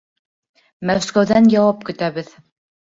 Мәскәүҙән яуап көтәбеҙ.